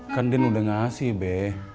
kan dian udah ngasih be